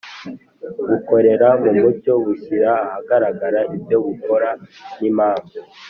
bukorera mu mucyo bushyira ahagaragara ibyo bukora n'impamvu